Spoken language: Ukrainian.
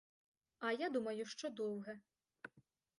А я думаю, що довге.